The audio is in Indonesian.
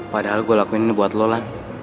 padahal gue lakuin ini buat lo lah